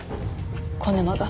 小沼が。